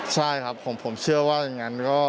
ใช่ครับผมเชื่อว่าอย่างนั้นก็